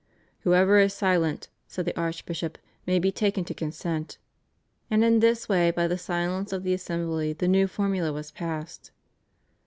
"Whoever is silent," said the archbishop, "may be taken to consent," and in this way by the silence of the assembly the new formula was passed.